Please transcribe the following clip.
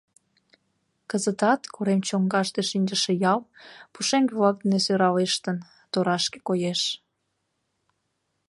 Кызытат корем чоҥгаште шинчыше ял, пушеҥге-влак дене сӧралештын, торашке коеш.